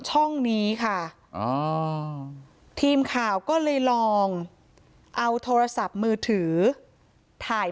ช่องนี้ค่ะทีมข่าวก็เลยลองเอาโทรศัพท์มือถือถ่าย